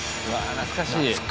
懐かしい。